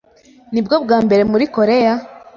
Nibwo bwa mbere muri Koreya?